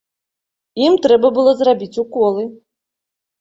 Ім трэба было зрабіць уколы.